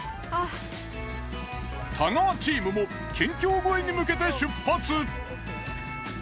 太川チームも県境越えに向けて出発。